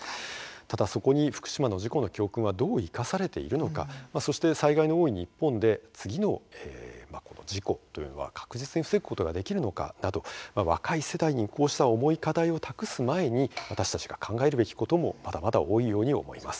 ただそこに福島の事故の教訓はどう生かされているのかそして災害の多い日本で次の事故というのは確実に防ぐことができるのかなど若い世代にこうした重い課題を託す前に私たちが考えるべきこともまだまだ多いように思います。